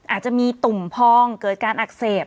อาจจะมีตุ่มพองเกิดการอักเสบ